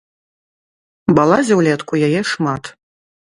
Балазе ўлетку яе шмат.